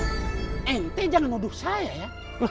ente jangan nuduh saya ya